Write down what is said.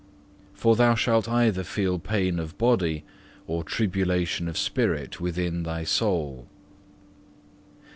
For thou shalt either feel pain of body, or tribulation of spirit within thy soul.